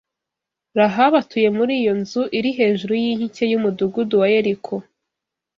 Rahabu atuye muri iyo nzu iri hejuru y’inkike y’umudugudu wa Yeriko